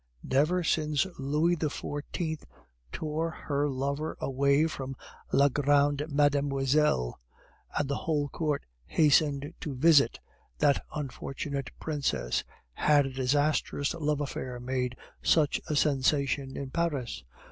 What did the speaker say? Never since Louis XIV. tore her lover away from La grand Mademoiselle, and the whole court hastened to visit that unfortunate princess, had a disastrous love affair made such a sensation in Paris.